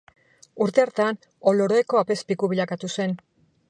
Urte hartan Oloroeko apezpiku bilakatu zen.